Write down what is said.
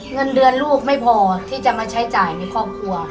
เงินเดือนลูกไม่พอที่จะมาใช้จ่ายในครอบครัว